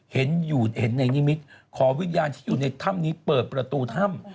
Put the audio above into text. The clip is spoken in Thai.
เห็นในนิมิตขอวิญญาณที่อยู่ในถ้ำนี้เปิดประตูถ้ำ